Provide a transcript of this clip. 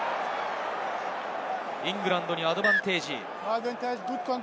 イングランドにアドバンテージ。